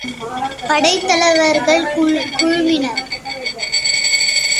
படைத் தலைவர்கள் குழுமினர்.